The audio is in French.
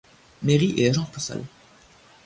Mairie et agence postale.